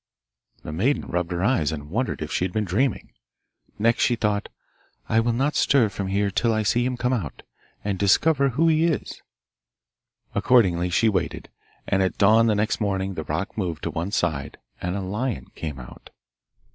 The maiden rubbed her eyes and wondered if she had been dreaming. Next she thought, 'I will not stir from here till I see him come out, and discover who he is.' Accordingly she waited, and at dawn the next morning the rock moved to one side and a lion came out.